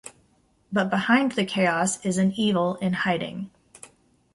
But behind the chaos is an evil in hiding.